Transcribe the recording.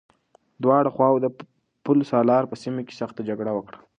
دواړو خواوو د پل سالار په سيمه کې سخته جګړه وکړه.